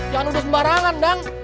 jangan udah sembarangan dang